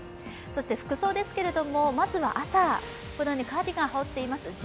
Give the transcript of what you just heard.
そして服装ですけれども朝、カーディガン羽織っています。